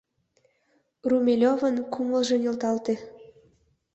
Румелёвын кумылжо нӧлталте.